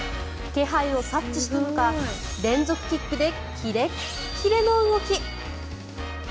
気配を察知したのか連続キックでキレッキレの動き。